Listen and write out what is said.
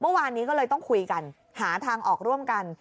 เมื่อวานนี้ก็เลยต้องคุยกันหาทางออกร่วมกัน